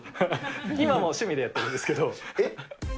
今も趣味でやってるんですけえっ？